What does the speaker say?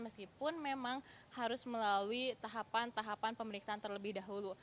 meskipun memang harus melalui tahapan tahapan pemeriksaan terlebih dahulu